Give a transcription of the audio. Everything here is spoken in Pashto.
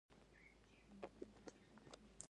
انسان باید خپل زړه ته غوږ ونیسي.